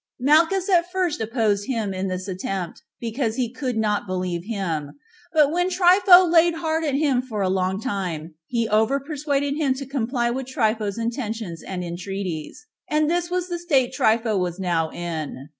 Malchus at the first opposed him in this attempt, because he could not believe him; but when Trypho lay hard at him for a long time, he over persuaded him to comply with Trypho's intentions and entreaties. And this was the state Trypho was now in.